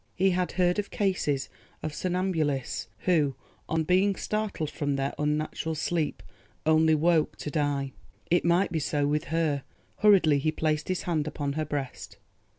He had heard of cases of somnambulists who, on being startled from their unnatural sleep, only woke to die. It might be so with her. Hurriedly he placed his hand upon her breast.